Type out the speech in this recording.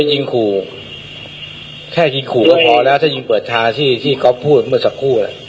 แค่ยิงมีอย่างหลังเยี่ยมก็พอแล้วจะยิงเปิดทางที่ขอพูดกับสักคู่เลย